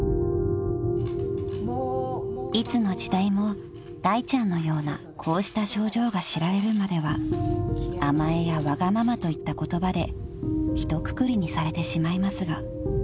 ［いつの時代もだいちゃんのようなこうした症状が知られるまでは「甘え」や「わがまま」といった言葉でひとくくりにされてしまいますが］